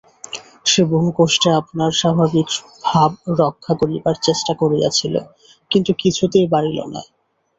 সে বহুকষ্টে আপনার স্বাভাবিক ভাব রক্ষা করিবার চেষ্টা করিয়াছিল, কিন্তু কিছুতেই পারিল না।